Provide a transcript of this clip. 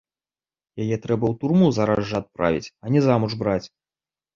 Яе трэба ў турму зараз жа адправіць, а не замуж браць!